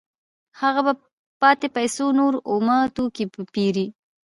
هغه په پاتې پیسو نور اومه توکي پېري